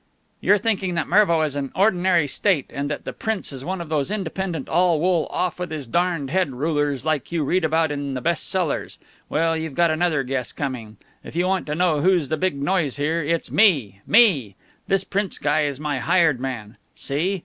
"You're thinking that Mervo is an ordinary state, and that the Prince is one of those independent, all wool, off with his darned head rulers like you read about in the best sellers. Well, you've got another guess coming. If you want to know who's the big noise here, it's me me! This Prince guy is my hired man. See?